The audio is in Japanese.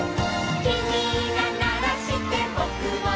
「きみがならしてぼくもなる」